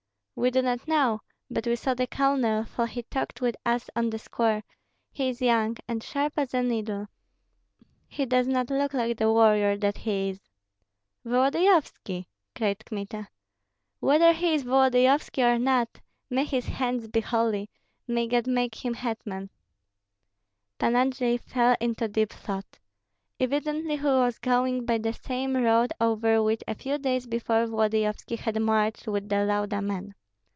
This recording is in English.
"We do not know; but we saw the colonel, for he talked with us on the square, he is young, and sharp as a needle. He does not look like the warrior that he is." "Volodyovski!" cried Kmita. "Whether he is Volodyovski, or not, may his hands be holy, may God make him hetman!" Pan Andrei fell into deep thought. Evidently he was going by the same road over which a few days before Volodyovski had marched with the Lauda men.